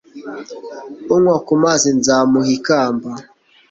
unywa ku mazi nzamuha ikamba